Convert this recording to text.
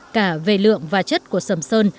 cả về lượng và chất của sầm sơn